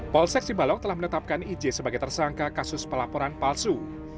pol seksi balok telah menetapkan ij sebagai tersangka kasus pelaporan palsu